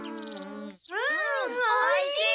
うんおいしい！